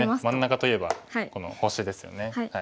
真ん中といえばこの星ですよね。